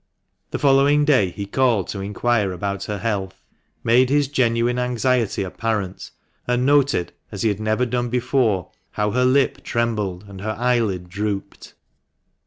The following day he called to inquire about her health, made his genuine anxiety apparent, and noted, as he had never done before, how her lip trembled and her eyelid drooped.